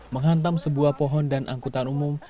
menghantam sebuah pohon dan angkutan umum